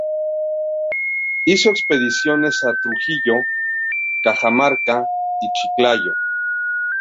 Hizo expediciones a Trujillo, Cajamarca y Chiclayo.